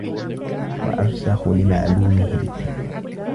وَأَرْسَخُ لِمَعْلُومِهِمْ